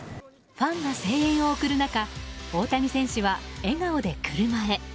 ファンが声援を送る中大谷選手は笑顔で車へ。